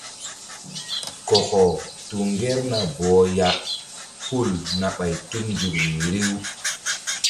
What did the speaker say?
Kɔkɔ tu ŋgerna bɔh ya hul na ɓay tul nzukri riw.